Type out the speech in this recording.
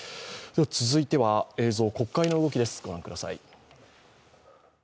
続いては映像、国会の動きです。